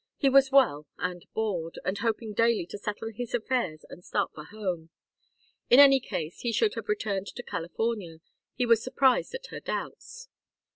He was well, and bored, and hoping daily to settle his affairs and start for home. In any case he should have returned to California: he was surprised at her doubts.